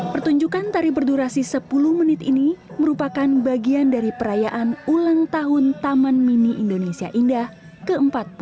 pertunjukan tari berdurasi sepuluh menit ini merupakan bagian dari perayaan ulang tahun taman mini indonesia indah ke empat puluh lima